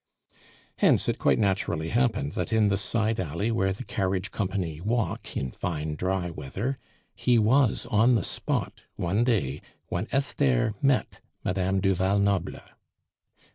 Hence it quite naturally happened that in the side alley where the carriage company walk in fine dry weather, he was on the spot one day when Esther met Madame du Val Noble.